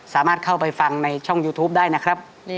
สามารถเข้าไปฟังในช่องยูทูปได้นะครับ